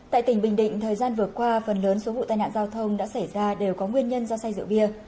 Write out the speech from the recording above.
tại tỉnh bình định thời gian vừa qua phần lớn số vụ tai nạn giao thông đã xảy ra đều có nguyên nhân do say rượu bia